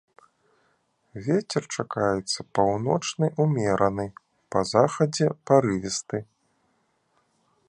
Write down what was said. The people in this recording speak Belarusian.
Вецер чакаецца паўночны ўмераны, па захадзе парывісты.